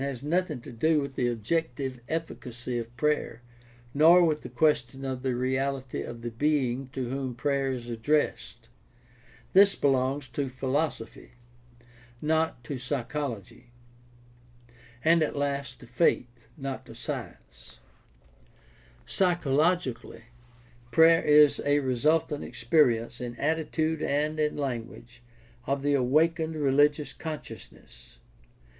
— The psychology of religion has nothing to do with the objective efficacy of prayer, nor with the question of the 672 GUIDE TO STUDY OF CHRISTIAN RELIGION reality of the Being to whom prayer is addressed. This belongs to philosophy, not to psychology, and at last to faith, not to science. Psychologically, prayer is a resultant experi ence in attitude and in language of the awakened religious consciousness.